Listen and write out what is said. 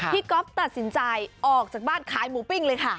ก๊อฟตัดสินใจออกจากบ้านขายหมูปิ้งเลยค่ะ